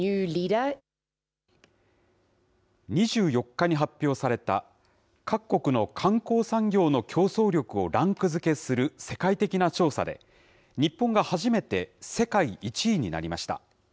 ２４日に発表された、各国の観光産業の競争力をランク付けする世界的な調査で、日本が初めて世界１位になりました。